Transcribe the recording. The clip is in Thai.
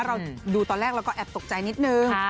เราดูตอนแรกเราก็แอบตกใจนิดนึง